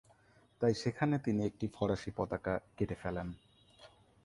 তাই সেখানে তিনি একটি ফরাসি পতাকা কেটে ফেলেন।